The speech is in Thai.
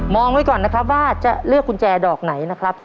ไว้ก่อนนะครับว่าจะเลือกกุญแจดอกไหนนะครับ